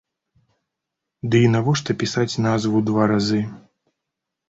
Да і навошта пісаць назву два разы?